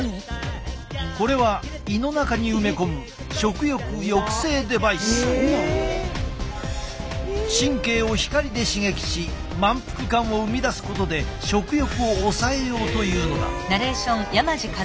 これは胃の中に埋め込む神経を光で刺激し満腹感を生み出すことで食欲を抑えようというのだ。